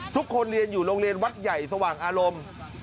ทุกคนเรียนอยู่โรงเรียนวัดใหญ่สว่างอารมณ์